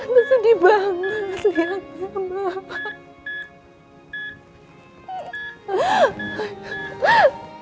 tante sedih banget lihatnya mbak